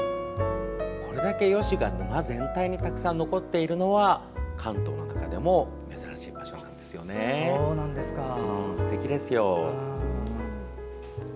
これだけヨシが沼全体にたくさん残っているのは関東の中でも珍しい場所なんですよね。